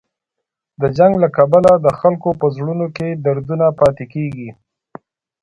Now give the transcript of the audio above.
د جنګ له کبله د خلکو په زړونو کې دردونه پاتې کېږي.